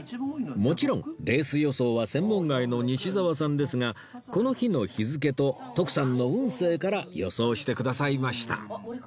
もちろんレース予想は専門外の西澤さんですがこの日の日付と徳さんの運勢から予想してくださいました